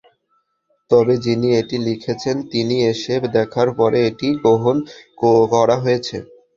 তবে যিনি এটি লিখেছেন তিনি এসে দেখার পরে এটা গ্রহণ করা হয়েছে।